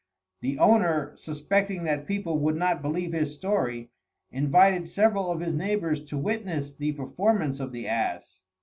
The owner, suspecting that people would not believe his story, invited several of his neighbours to witness the performance of the ass.